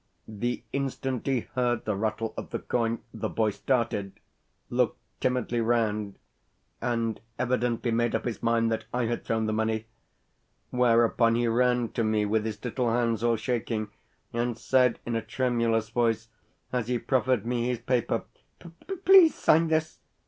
The instant he heard the rattle of the coin, the boy started, looked timidly round, and evidently made up his mind that I had thrown the money; whereupon, he ran to me with his little hands all shaking, and said in a tremulous voice as he proffered me his paper: "Pl please sign this."